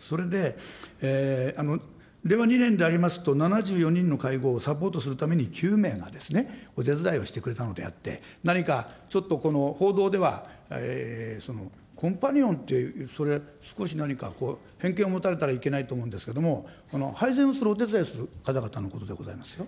それで、令和２年でありますと、７４人の会合をサポートするために９名がお手伝いをしてくれたのであって、何かちょっとこの、報道では、コンパニオンって、それは少し何かこう、偏見を持たれたらいけないと思うんですけれども、配膳をするお手伝いをする方々のことでございますよ。